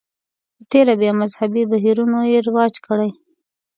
په تېره بیا مذهبي بهیرونو یې رواج کړي.